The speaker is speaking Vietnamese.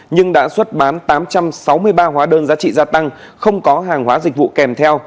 nhưng đã xuất bán tám trăm sáu mươi ba hóa đơn giá trị gia tăng không có hàng hóa dịch vụ kèm theo